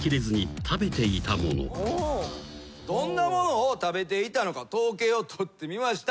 どんなものを食べていたのか統計を取ってみました。